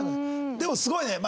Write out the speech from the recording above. でもすごいね。